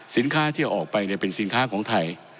สินค้าที่ออกไปเป็นสินค้าของไทย